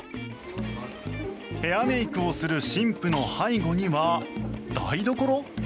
ヘアメイクをする新婦の背後には台所？